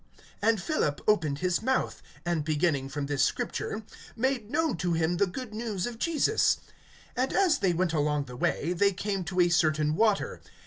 (35)And Philip opened his mouth, and beginning from this Scripture, made known to him the good news of Jesus. (36)And as they went along the way, they came to a certain water.